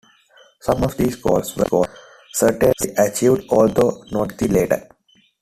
Some of these goals were certainly achieved, although not the latter.